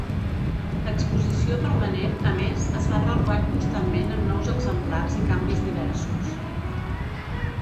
L'exposició permanent, a més, es va renovant constantment amb nous exemplars i canvis diversos.